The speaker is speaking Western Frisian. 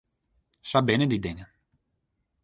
Sa binne dy dingen.